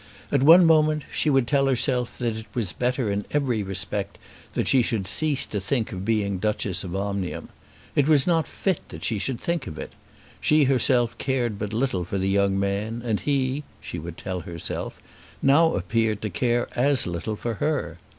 At one moment she would tell herself that it was better in every respect that she should cease to think of being Duchess of Omnium. It was not fit that she should think of it. She herself cared but little for the young man, and he she would tell herself now appeared to care as little for her.